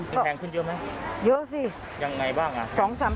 มันแพงขึ้นเยอะไหมเยอะสิยังไงบ้างอ่ะ